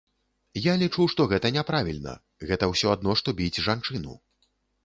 Я лічу, што гэта няправільна, гэта ўсё адно, што біць жанчыну.